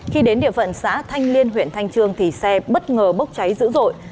khi đến địa phận xã thanh liên huyện thanh trương thì xe bất ngờ bốc cháy dữ dội